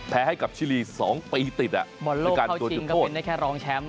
แพ้ให้กับชิลี๒ปีติดอ่ะบ่นโลกเข้าชิงก็เป็นได้แค่ร้องแชมป์